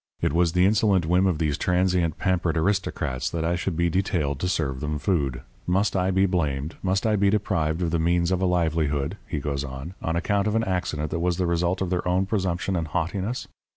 It was the insolent whim of these transient, pampered aristocrats that I should be detailed to serve them food. Must I be blamed must I be deprived of the means of a livelihood,' he goes on, 'on account of an accident that was the result of their own presumption and haughtiness?